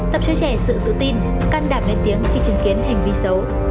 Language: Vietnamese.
tập cho trẻ sự tự tin can đảm lên tiếng khi chứng kiến hành vi xấu